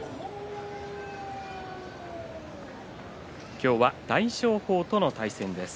今日は大翔鵬との対戦です。